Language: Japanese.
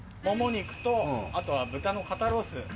もも肉とあとは豚の肩ロース。